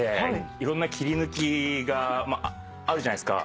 いろんな切り抜きがあるじゃないですか。